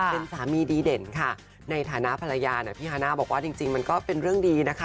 เป็นสามีดีเด่นค่ะในฐานะภรรยาเนี่ยพี่ฮาน่าบอกว่าจริงมันก็เป็นเรื่องดีนะคะ